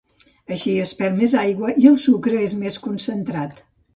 Així, es perd més aigua i el sucre és més concentrat.